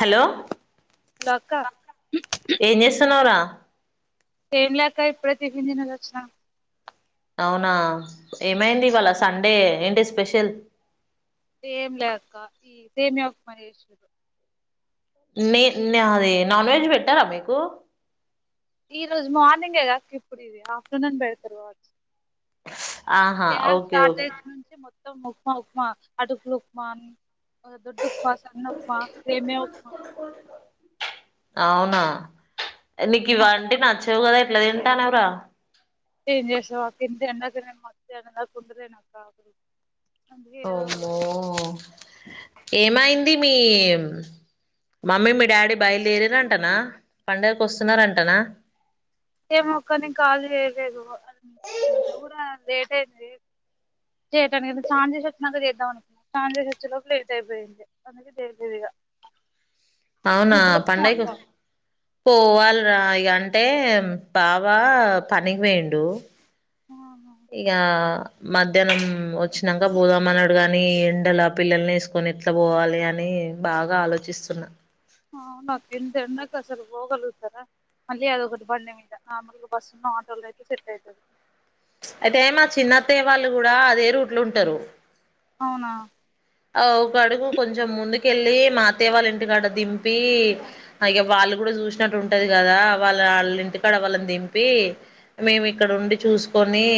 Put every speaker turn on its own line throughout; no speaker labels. Hello
హలోక్క
ఏం చేస్తున్నావురా
ఏం లే అక్క ఇప్పుడే టిఫిన్ తినేసొచ్చిన
అవునా ఏమైంది ఇవాళ సండే, ఏంటి స్పెషల్
ఏం లే అక్క, ఈ సేమియా ఉప్మా చేసిర్రు.
నే నాది నాన్ వెజ్ పెట్టరా మీకు?
ఈ రోజు మార్నింగ్ ఎ కదక్క ఇప్పుడిది, ఆఫ్టర్నూన్ పెడతరు కావచ్చు.
ఆహా
గ్యాస్
ఓకే
స్టార్ట్
ఓకే
అయి నుంచి మొత్ ఉప్మా ఉప్మా, అటుకులు ఉప్మాన్, దొడ్డు ఉప్ ఆ సన్న ఉప్మా, సేమ ఉప్మా
అవునా నీకు
మొత్తం అవే
ఇవంటి నచ్చవు కదా ఎట్ల తింటాన్నవ్ రా?
ఏం చేసావు అక్క, ఇంత ఎండకు నేను మధ్యాహ్నం దాకా ఉంటలేనా అక్క. అందుకే ఏదో
ఓమ్మో
ఒకలాగా
ఏమై ది మీ మమ్మీ మీ డాడీ బయలుదేరిరంటనా, పండగకి వస్తున్నారంటనా?
ఏమో అక్క నేన్ కాల్ చేయలేదు, అంటే నిన్న కూడా దే చేయటానికి సాంజేసచ్చినక చేద్దాం అనుకున్నా, సాంజేసచ్చ లోపు లేట్ అయిపోయింది, అందుకె చేయలేదిగా
అవునా పండైకొ పోవాల్రా ఇగ అంటే బావ పనికి పోయిండు. ఇగా మధ్యాహ్నం వచ్చినంక బోదామన్నడు గాని, ఎండల పిల్లల్ని ఏసుకొని ఎట్ల పోవాలి అని బాగా ఆలోచిస్తున్నా.
ఆవునక్క ఇంత ఎండకు అసలు పొగలుగుతరా, మళ్ళీ అదోకటి బండి మీద, నార్మల్గా బస్సు ఆటోలోనో అయితే సెట్ ఐతది.
అయితే మా చిన్నత్తయ్య వాళ్ళు కూడా అదే రూట్ ల ఉంట్ టరు
అవునా
ఆ ఒకడుగు కొంచెం ముందుకెళ్ళి మా అత్తయ్య వాళ్ళ ఇంటికాడ దింపి, అ ఇగ వాళ్ళు గుడ చూసినట్టు ఉంటది కదా, వాళ్ళ ఆళ్ ఇంటికాడ వాళ్ళని దింపి మేము ఇక్కడ ఉండి చూసుకొని,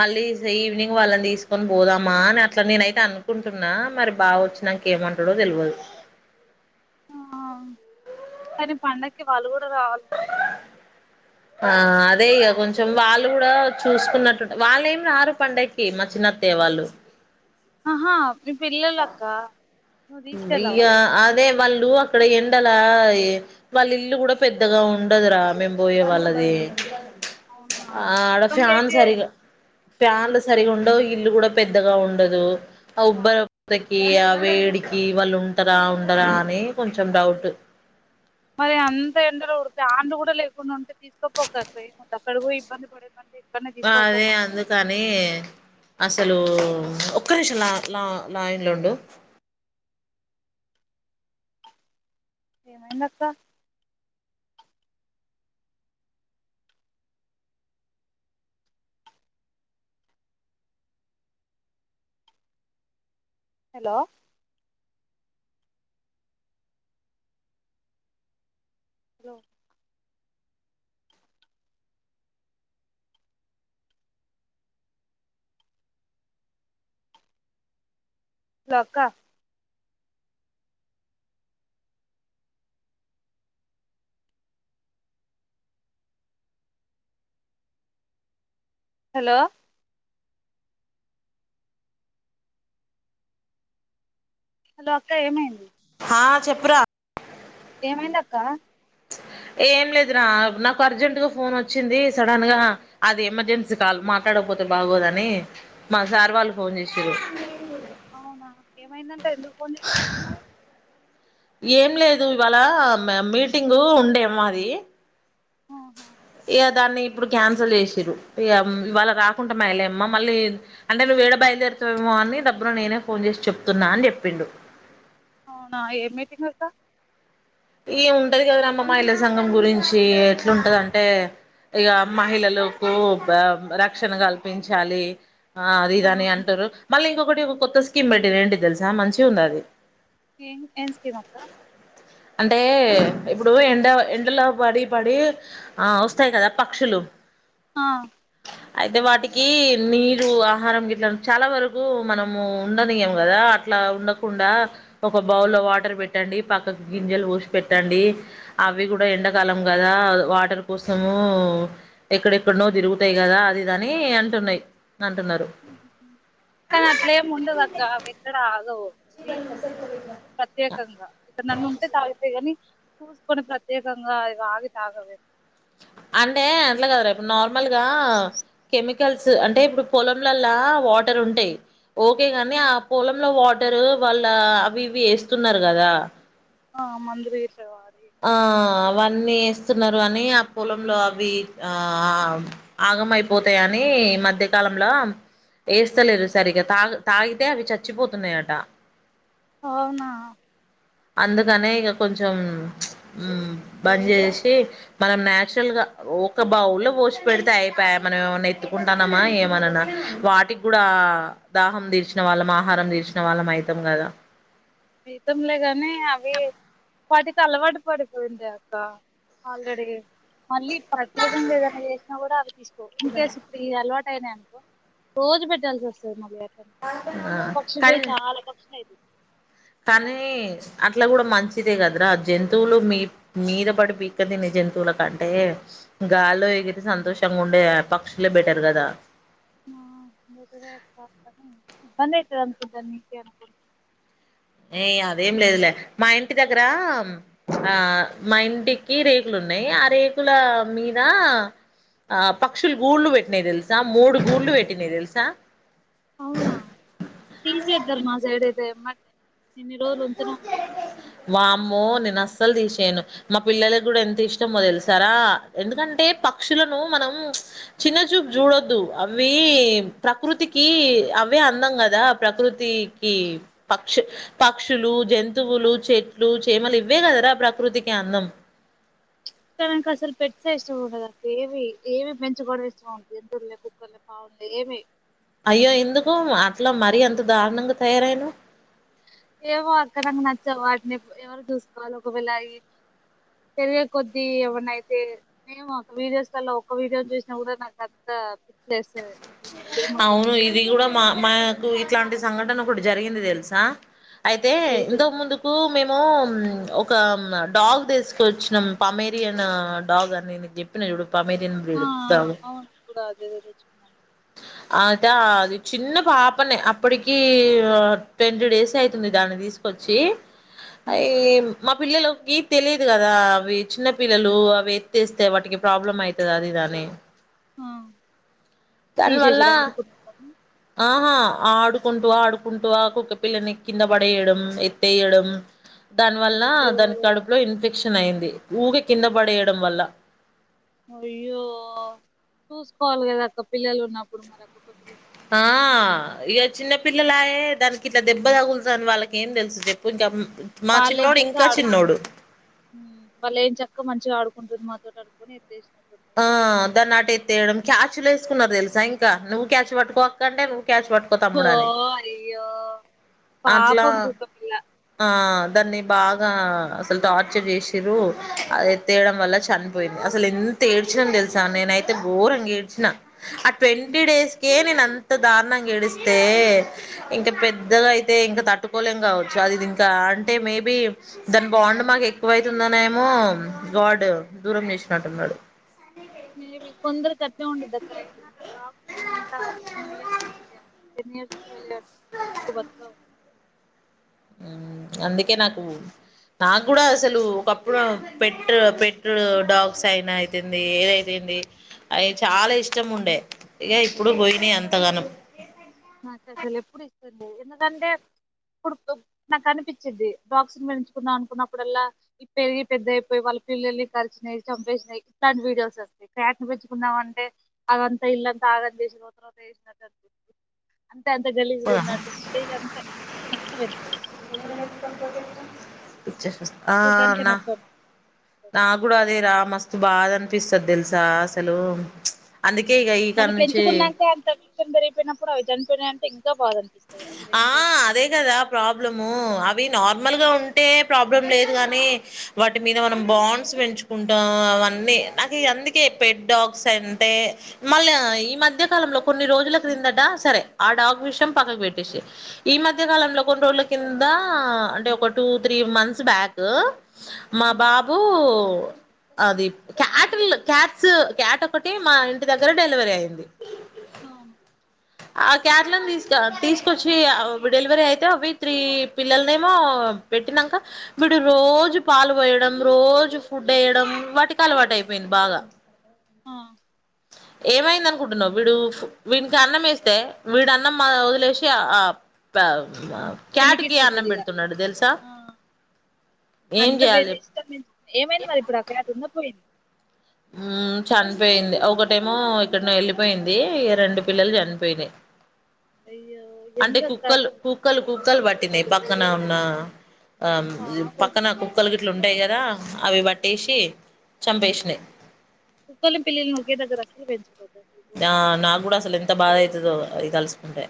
మళ్ళీ ఈవినింగ్ వాళ్ళని తీసుకొని బోదామా అని అట్లా నేనైతే అనుకుంటు టున్నా మరి బావ వచ్చినంక ఏమంటడో తెల్వదు.
ఈ పండగ్కి వాళ్ళు గూడ రావాలి [inaudible]
ఆ అదే ఇగ కొంచం వాళ్ళు కూడా చూసుకున్నట్టు ఉంటద్ వాళ్ళేం రారు పండగ్కి మా చిన్నత్తయ్య వాళ్ళు
అహా నీ పిల్లల్ అక్కా
ఉ ఇయ్యా అద్ దే వాళ్ళు అక్కడ ఎండలా ఇ వాల్ ఇల్లు కూడా పెద్దగా ఉండదురా మేము పోయే వాళ్ళది.
అవునా
ఆ
మరి
ఆడ
ఇబ్బంది
ఫ్యాన్
అయితే
సరిగా ప్యాన్లు సరిగా ఉండవు ఇల్లు కూడా పెద్దగా ఉండదు ఆ ఉబ్బర్ పెక్కి ఇయా వేడిక్ కి వాళ్ళు ఉంటరా ఉండరా అని కొంచం డౌట్
మరి అంత ఎండలో [unintelligible] ఫ్యాన్లు కూడా లేకుండా ఉంటే తీసుకపోక్ అక్కయ్య [inaudible] అక్కడ పోయి ఇబ్బంది పడే కంటే ఇక్కడనే
ఆ
తీసుకోపో
అదే అందుకని అసలు ఉ ఒక్క నిమిషం లా లా లైన్ లో ఉండు
ఏమైంద్ అక్క హలో హలో లో అక్కా హలో హలో అక్క ఏమైంది
ఆ చెప్పురా
ఏమైంద్ అక్కా
ఏం లేదురా నాకు అర్జెంట్గా ఫోన్ వచ్చింది సడన్ గా అది ఎమర్జెన్సీ కాల్ మాట్లాడకపోతే బాగోదని మా సార్ వాళ్ళు ఫోన్ చేసిన్రు.
అవునా ఏమైందన్ ట ఎందుకు ఫోన్ చేసిన్రు ఇప్పుడు మరి
ఏం లేదు ఇవాళ మె మీటింగు ఉండే మాది
ఆహా
ఇగ దాన్ని ఇప్పుడు క్యాన్సల్ చేసిన్రు. ఇగ ఉమ్ ఇవాళ రాకుంటామై లేమ్మా మళ్ళీ అంటే నువ్ ఏడ బయలుదేరుతావేమో అని దబ్బున నేనే ఫోన్ చేసి చెప్తున్నా అని చెప్పిండు.
అవునా ఏ మీటింగ్ అట
ఈ ఉంటది కదరా అమ్మ మహిళ సంఘం గురించి ఎట్లుంటదంటే ఇగ మహిళలకు బ రక్షణ కల్పించాలి ఆ అది ఇది
ఆహా,
అని అంటరు మళ్ళీ ఇంకోక్ కొటి ఒక కొత్త స్కీమ్ పెట్టిన్రు. ఏంటిది తెలుసా మంచిగ్ ఉందది
ఏన్ ఏం స్కీమ్ అక్కా
అంటే ఇప్పుడు ఎండ ఎండలో పడి పడి ఆ వస్తాయి కదా పక్షులు
ఆ
అయితే వాటికి నీరు, ఆహారం గిట్ల చాలా వరకు మనము ఉండనియం గదా అట్లా ఉండకుండా ఒక బౌల్లో వాటర్ పెట్టండి పక్కక్ గింజలు పోసి పెట్టండి. అవి కూడా ఎండాకాలం గదా వాటర్ కోసము ఎక్కడెక్కడ్నో తిరుగుతయి గదా అది ఇదని అంటున్నయి.
కానీ అట్లేం ఉండదు అక్క అవి ఎక్కడ ఆగవు వీకు ప్రత్యేకంగా ఎక్కడ్నాన్ ఉంటే తాగుతయి గని చూసుకొని ప్రత్యేకంగా అవి ఆగి తాగవే
అంటే అట్లా కాదురా ఇప్పుడు నార్మల్గా కెమికల్స్ అంటే ఇప్పుడు పొలంలల్లా వాటర్ ఉంటయ్. ఓకే కాని ఆ పొలంలో వాటరు వాళ్ళ అవి ఇవి వేస్తున్నారు కదా.
ఆ మందరి సవ
ఆ అవన్నీ వేస్తున్నారు. అని ఆ పొలంలో అవి ఆ ఆగమైపోతాయని ఈ మధ్యకాలంలో వేస్తలేరు. సరిగ్గా తాగి తాగితే అవి చచ్చిపోతున్నాయట.
అవునా
అందుకనే ఇక కొంచెం ఉమ్ బంద్ చేసి, మనం నాచురల్గా ఒక బౌ లో పోసి పెడితే అయిపోయ్. మనం ఏమన్నా ఇత్తుకుంటానమా ఏమనన్నా వాటికి కూడా దాహం తీర్చిన వాళ్ళం. ఆహారం తీర్చిన వాళ్ళం అయితాం కదా.
జీవితంలేగానీ అవి వాటికి అలవాటు పడిపోయింది. అక్క ఆల్రెడీ. మళ్ళీ ప్రత్యేకంగా ఏదన్నా చేసినా కూడా అవి తీసుకో ఇన్ కేస్ ఇప్పుడు ఈ అలవాటు యిననుకో రోజు పెట్టాల్సి వస్తుంది మళ్ళీ క
ఆ
పక్షి పోయి
కానీ
చాలా పక్షిలు అయిత్
కానీ అట్లా కూడా మంచిదే కదరా. జంతువులు మీ మీద పడి బీక్క తినే జంతువుల కంటే గాల్లో ఎగిరి సంతోషంగా ఉండే పక్షులే బెటర్ కదా.
ఆ బనేదంతద నీకు
ఏయ్ అదేం లేదులే మా ఇంటి దగ్గర ఆ మా ఇంటికి రేకులు ఉన్నాయి. ఆ రేకుల మీద ఆ పక్షులు గూళ్లు పెట్టినాయి తెలుసా. మూడు గూళ్లు పెట్టినాయి తెలుసా.
అవునా తీసేద్దర్ మాసైడ్ అయితే మన్
వామ్మో నేనస్ అసలు తీసేయను మా పిల్లలకి కూడా ఎంత ఇష్టమో తెలుసారా. ఎందుకంటే పక్షులను మనం చిన్న చూపు చూడొద్దు. అవి ప్రకృతికి అవి అందం కదా ప్రకృతికి పక్ష్ పక్షులు, జంతువులు, చెట్లు, చేమలు ఇవ్వే కదరా ప్రకృతికి అందం.
తనకి అసలు పెట్స్ ఏ ఇష్టం ఉండదు. అ ఏవి ఏమి పెంచుకోవడం ఇష్టం ఉండదు. కుక్కల్ని, పాముల్ని ఏవి
అయ్యో ఎందుకు అట్లా మరీ ఎంత దారుణంగా తయారైనవ్
ఏమో అక్కడ నచ్చవు. వాటిని ఎవరు చూసుకోవాలి. ఒకవేళ పెరిగేయే కొద్ది ఎవన్నయితే, మేము ఒక వీడియోస్ కల్లా ఒక్క వీడియో చూసినా కూడా నాకు పిచ్చి లేస్తది.
అవును ఇది కూడా మా అ ఇట్లాంటి సంఘటన ఒకటి జరిగింది తెలుసా అయితే
ఏది
ఇంత
వద్దు.
ముందుకు మేము ను ఒక డాగ్ తీసుకు వచ్చినం. పమెరియన్ డాగ్ అని నేను చెప్పిన చూడు పమెరియన్
ఆ
బ్రీడు డాగ్
ఆ అవును కూడా అదేదో తెచ్చుకున్నాను
అద అది చిన్న పాపనే అప్పటికి ట్వంటీ డేస్ అయితుంది. దాన్ని తీసుకొచ్చి అయ్యి ఏం మా పిల్లలకి తెలియదు కదా. అవి చిన్న పిల్లలు అవి ఎత్తేస్తే వాటికి ప్రాబ్లం అయితది. అది ఇదని
హ తీసేసిర్రా
దానివల్ల
ఆడుకుంటున్నర
ఆహా ఆడుకుంటూ ఆడుకుంటూ ఆ కుక్క పిల్లని కింద పడేయడం. ఎత్తేయడం. దాని వల్ల
అయ్యో
దాని కడుపులో ఇన్ఫెక్షన్ ఇన్ఫెక్షన్ అయింది. ఊకే కింద పడేయడం వల్ల.
అయ్యో చూసుకోవాలి కదా. అక్క పిల్లలు ఉన్నప్పుడు మనకు కుక్కపిల్లలు
ఆ ఇగ చిన్న పిల్లలయే దానికి ఇట్లా దెబ్బ తగులుత అని వాళ్ళకి ఏం తెలుసు చెప్పు ఇంకా మా
వాళ్ళు
చిన్నోడు
ఎంచక్కా
ఇంకా
ఆడుకుం
చిన్నోడు
వాళ్ళు ఎంచక్కా మంచిగా ఆడుకుం మాతోటి అనుకోని ఎత్తేసిన
ఆ దాన్ని అట ఎత్తేయడం క్యాచులు వేసుకున్నారు తెలుసా ఇంకా నువ్వు క్యాచు పట్టుకోవ కంటే నువ్వు క్యాచ్ పట్టుకో
ఓ
తమ్ముడు అని
అయ్యో
అట్లా
పాపం కుక్కపిల్ల
ఆ దాన్ని బాగా అసలు టార్చర్ చేసిండ్రు అది ఎతేయడం వల్ల చనిపోయింది అసలు ఎంత తేడ్చినం తెలుసా నేనైతే గోరంగా ఏడ్చిన ఆ ట్వంటీ డేస్ కే నేను ఎంత దారుణంగా గడిస్తే ఇంక పెద్దగా అయితే ఇంకా తట్టుకోలేం కావచ్చు అది ఇది ఇంకా ఇంక పెద్దగా అయితే ఇంకా తట్టుకోలేం కావచ్చు అది ఇంకా అంటే మాకు ఎక్కువైతుందనేమో ఏమో గాడ్ దూరం చేసినట్టున్నాడు
ఎవి కొందరుచ ఇంతే ఉంటది అక్క ten years twelve years కంటే ఎక్కువ బతక
అందుకే నాకు నాకు కూడా అసలు ఒకప్పుడు పెట్ పెట్టుడు డాగ్స్ అయినా అయితుంది ఏదైతుంది అవి చాలా ఇష్టం ఉండే ఇక ఇప్పుడు పోయినాయి అంతగానం
నాసలు ఎప్పుడు ఇస్తుడి ఎందుకంటే ఇప్పుడు నాకు అనిపించింది డాక్స్ని పెంచుకుందాం అనుకున్నప్పుడల్లా పెరిగి పెద్ద అయిపోయి వాళ్ళ పిల్లల్ని కలిచినాయి చంపేసినాయి నాకు ఎప్పుడు ఇష్టం లేదు ఎందుకంటే నాకు అనిపిస్తుంది డాగ్స్ పెంచుకున్నప్పుడల్లా పెరిగి పెద్దయిపోయి వాటి పిల్లని కలిసినవి చంపేసినయి ఇట్లాంటి వీడియోస్ వస్తాయి క్యాట్ పెంచుకున్నామ అంటే అదంతా ఇల్లంతా ఆగం చేసిన తత వసినట్టు అనిపింది తా గలీజగా ఉన్నట్టుంది ఏదంతా అత్తలేదు మరి
ఆ అన్న నా కూడా అదే రా మస్తు బాధ అనిపిస్తది తెలుసా అసలు అందుకే ఇక ఈకాడ
మనం
నుంచి
పెంచుకున్నాక అంతషం [unintelligible] జరిగిపోయినప్పుడు అవి చనిపోయినాయంటే ఇంకా బాధ అనిపిస్తది అసలు
ఆ
ఎన్ని రోజులు
అదే కదా ప్రాబ్లము అవి నార్మల్గా ఉంటే ప్రాబ్లం లేదు కానీ వాటి మీద మనం బాండ్స్ పెంచుకుంటాం అవన్నీ నాకు అందుకే పెడ్ డాగ్స్ అంటే మళ్ళీ ఈ మధ్య కాలంలో కొన్ని రోజుల క్రిందట సరే ఆ డాగ్ విషయం పక్కకు పెట్టేసి ఈ మధ్య కాలంలో కొన్ని రోజుల కింద అంటే ఒక టూ త్రీ మంత్స్ బ్యాక్ మా బాబు అది క్యాట్ క్యాట్స్ క్యాట్ ఒకటి మా ఇంటి దగ్గర డెలివరీ అయింది
అవును
ఆ క్యాట్లను తీసుక తీసుకొచ్చి ఆ డెలివరీ అయితే అవి త్రీ పిల్లలనేమో పెట్టినంక వీడు రోజు పాలు పోయడం రోజు ఫుడ్డేయడం వాటికి అలవాటయిపోయింది బాగా
ఆ
ఏమైంది అనుకుంటున్నావ్ వీడు వీ ఇంత అన్నం వేస్తే వీడు అన్నం వదిలేసి ఆ బ
పిల్లికి ఇస్తుంటదిగా
తెలుసా
ఆ
ఏం
అంత
చేయాలి చెప్పు.
ఇష్టమైన ఏమైంది మరి ఇప్పుడు ఆ క్యాట్ ఉందా పోయిందా
ఉం చనిపోయింది ఒకటేమో ఎక్కడ నో వెళ్ళిపోయింది రెండు పిల్లలు చనిపోయినాయి
అయ్యో
అంటే
ఎందుకక్క
కుక్కలు
అసలు
కుక్కలు కుక్కలు పట్టినయి పక్కన ఉన్న ఆ
పాపం
పక్కన కుక్కలు గి ఇట్లుంటాయి కదా అవి పట్టేసి చంపేసినాయి
[unintelligible] ఘోరం
ది కలుసుకుంటె